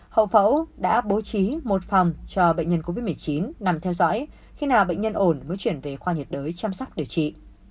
hậu phẫu đã bố trí một phòng cho bệnh nhân covid một mươi chín nằm theo dõi khi nào bệnh nhân ổn mới chuyển về khoa nhiệt đới chăm sóc điều trị